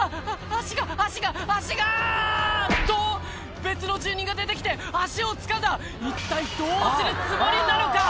足が足が足が！と別の住人が出て来て足をつかんだ一体どうするつもりなのか？